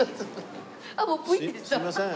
すみません。